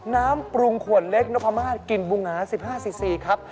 น้ำปรุงขวดเล็กนพมาศกลิ่นบุงหงา๑๕๔๔ครับ